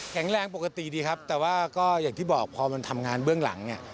แรงปกติดีครับแต่ว่าก็อย่างที่บอกพอมันทำงานเบื้องหลังเนี่ย